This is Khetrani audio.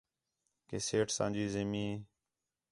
کہ سیٹھ اَساں جی زمین